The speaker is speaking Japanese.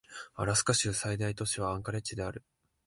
アラスカ州の最大都市はアンカレッジである